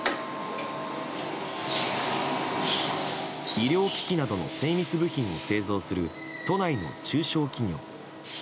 医療機器などの精密部品を製造する、都内の中小企業。